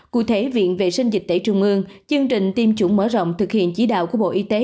cụ thể viện vệ sinh dịch tễ trung ương chương trình tiêm chủng mở rộng thực hiện chỉ đạo của bộ y tế